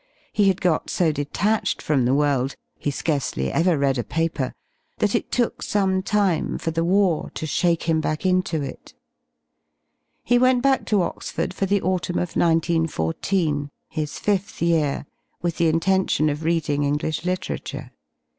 He had got so detached from the world — he scarcely ever read a paper — that it took some time for the war to shake him back into it, xi He went back to Oxford for the autumn 0/ 19 14, his fifth year, with the vntentton of readmg English literature.